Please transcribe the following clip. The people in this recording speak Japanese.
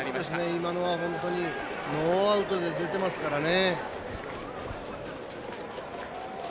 今のはノーアウトで出てますからね。